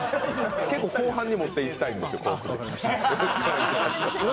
結構、後半に持っていきたいんですよ。